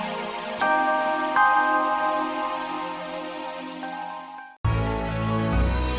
kalau tidak kamu akan kehilangan teman kamu